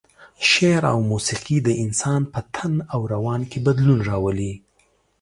شعر او موسيقي د انسان په تن او روان کې بدلون راولي.